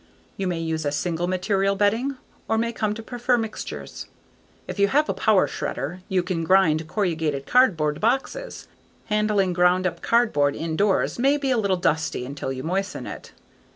You may use a single material bedding or may come to prefer mixtures. If you have a power shredder, you can grind corrugated cardboard boxes. Handling ground up cardboard indoors may be a little dusty until you moisten it.